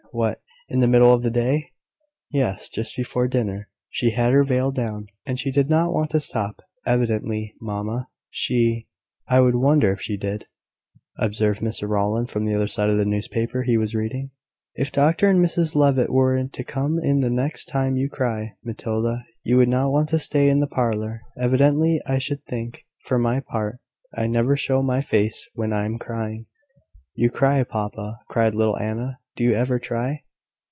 What, in the middle of the day?" "Yes; just before dinner. She had her veil down, and she did not want to stop, evidently, mamma. She ." "I should wonder if she did," observed Mr Rowland from the other side of the newspaper he was reading. "If Dr and Mrs Levitt were to come in the next time you cry, Matilda, you would not want to stay in the parlour, evidently, I should think. For my part, I never show my face when I am crying." "You cry, papa!" cried little Anna. "Do you ever cry?"